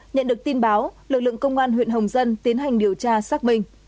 nhận được tin báo lực lượng công an huyện hồng dân tiến hành điều tra xác minh